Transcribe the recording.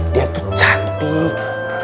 dia tuh cantik